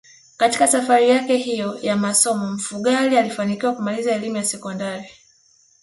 Katika safari yake hiyo ya masomo Mfugale alifanikiwa kumaliza elimu ya sekondari